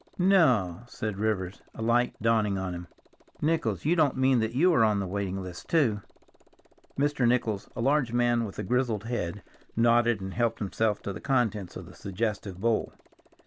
"No!" said Rivers, a light dawning on him. "Nichols, you don't mean that you are on the waiting list too?" Mr. Nichols, a large man with a grizzled head, nodded and helped himself to the contents of the suggestive bowl.